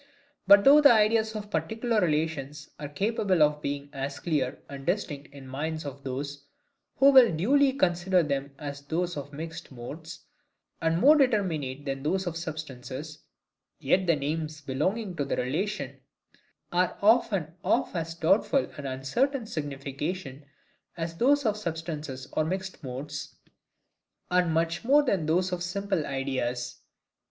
But though the ideas of PARTICULAR RELATIONS are capable of being as clear and distinct in the minds of those who will duly consider them as those of mixed modes, and more determinate than those of substances: yet the names belonging to relation are often of as doubtful and uncertain signification as those of substances or mixed modes; and much more than those of simple ideas.